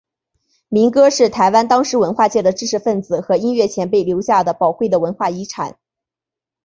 民歌是台湾当时文化界的知识份子和音乐前辈留下的宝贵的文化遗产。